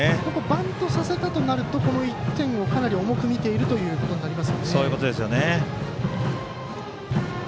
バントさせたとなるとこの１点をかなり重く見ているということになりますね。